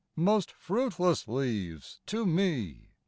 Most fruitless leaves to me!